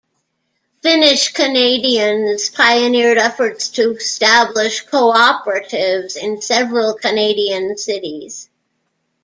"Finnish Canadians" pioneered efforts to establish co-operatives in several Canadian cities.